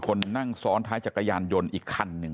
คนนั่งซ้อนท้ายจักรยานยนต์อีกคันหนึ่ง